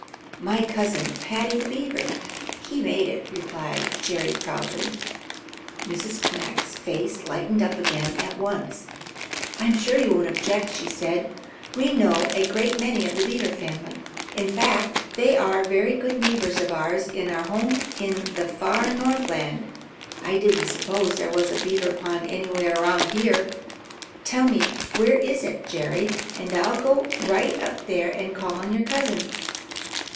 "My cousin, Paddy the Beaver. He made it," replied Jerry proudly. Mrs. Quack's face lighted up again at once. "I'm sure he won't object," said she. "We know a great many of the Beaver family. In fact, they are very good neighbors of ours in our home in the far Northland. I didn't suppose there was a Beaver pond anywhere around here. Tell me where it is, Jerry, and I'll go right up there and call on your cousin."